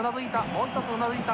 もう一つうなずいた。